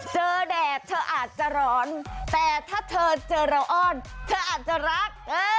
แดดเธออาจจะร้อนแต่ถ้าเธอเจอเราอ้อนเธออาจจะรัก